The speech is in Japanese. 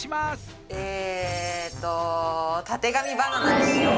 えっと「たてがみバナナ」にしよう。